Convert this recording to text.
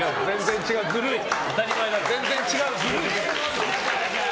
全然違う。